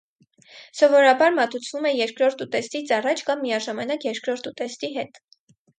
Սովորաբար մատուցվում է երկրորդ ուտեստից առաջ կամ միաժամանակ երկրորդ ուտեստի հետ։